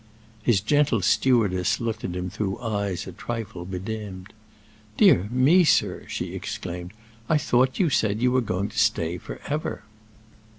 His gentle stewardess looked at him through eyes a trifle bedimmed. "Dear me, sir," she exclaimed, "I thought you said that you were going to stay forever."